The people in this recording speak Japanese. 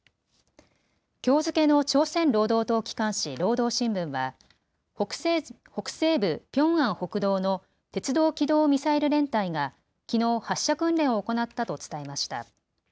きょう付けの朝鮮労働党機関紙、労働新聞は北西部ピョンアン北道の鉄道機動ミサイル連隊がきのう、発射訓練を行ったと伝えました。